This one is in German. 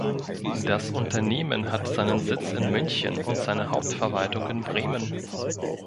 Das Unternehmen hat seinen Sitz in München und seine Hauptverwaltung in Bremen.